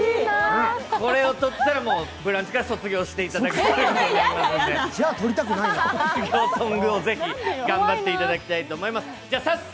これを取ったら「ブランチ」から卒業してもらいますので卒業ソング王、ぜひ頑張っていただきたいと思います。